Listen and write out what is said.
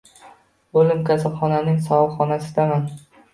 O’lim kasalxonaning sovuq xonasidaman